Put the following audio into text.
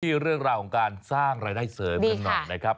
เรื่องราวของการสร้างรายได้เสริมกันหน่อยนะครับ